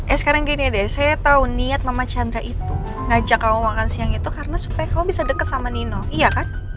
eh sekarang gini deh saya tahu niat mama chandra itu ngajak kamu makan siang itu karena supaya kamu bisa deket sama nino iya kan